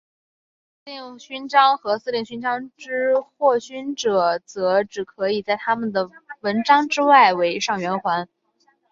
爵级司令勋章和司令勋章之获勋者则只可以在他们的纹章之外围上圆环。